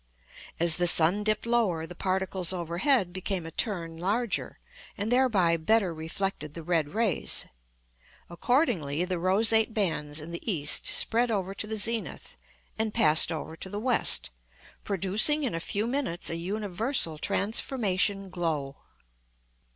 As the sun dipped lower, the particles overhead became a turn larger, and thereby better reflected the red rays. Accordingly, the roseate bands in the east spread over to the zenith, and passed over to the west, producing in a few minutes a universal transformation glow.